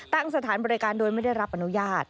สถานบริการโดยไม่ได้รับอนุญาต